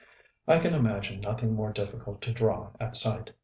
I can imagine nothing more difficult to draw at sight.